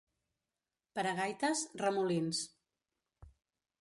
Per a gaites, Remolins.